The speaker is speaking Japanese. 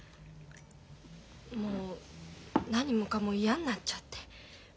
もう何もかも嫌になっちゃって。